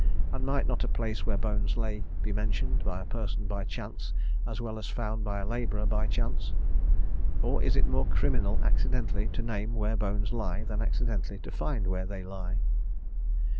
and might not a place where bones lay be mentioned by a person by chance as well as found by a labourer by chance? or is it more criminal accidentally to name where bones lie than accidentally to find where they lie?